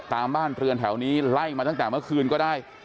บ้านเรือนแถวนี้ไล่มาตั้งแต่เมื่อคืนก็ได้